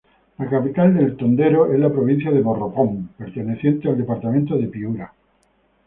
La Capital del Tondero es la provincia de Morropón, perteneciente al departamento de Piura.